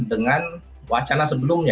dengan wacana sebelumnya